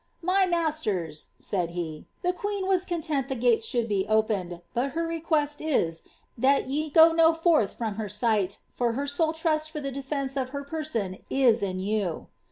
^ My masters," said he, ^^ the queen was content the gates should be opened ; but ber request is, that ye go not forth from her sight, for her sole trust for the defence of her person is in you."